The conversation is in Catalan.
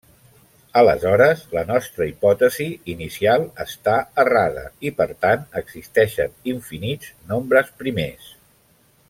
Aleshores, la nostra hipòtesi inicial està errada i, per tant, existeixen infinits nombres primers.